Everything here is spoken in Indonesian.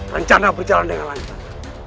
rencana berjalan dengan lancar